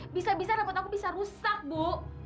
bisa bisa rapot aku bisa rusak bu